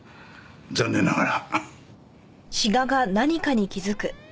残念ながら。